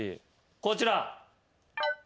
こちら。